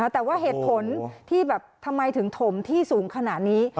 แต่ว่าเหตุผลที่แบบทำไมถึงถมที่สูงขนาดนี้